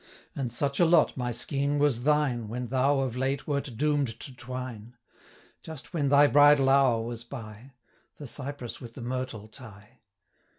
And such a lot, my Skene, was thine, When thou, of late, wert doom'd to twine, Just when thy bridal hour was by, The cypress with the myrtle tie.